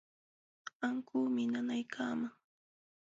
Ankuumi nanaykaman.